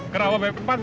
kerawat b empat bang